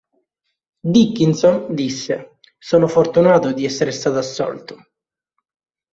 Dickinson disse: "Sono fortunato di essere stato assolto.